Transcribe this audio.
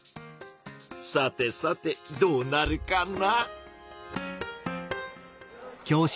さてさてどうなるかな？